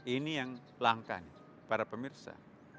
ini yang langka nih para pemirsa